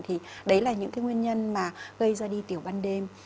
thì đấy là những cái nguyên nhân mà gây ra đi tiểu ban đêm